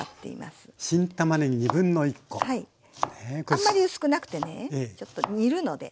あんまり薄くなくてねちょっと煮るので。